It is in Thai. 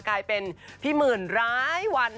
กลายเป็นพี่หมื่นร้ายวัน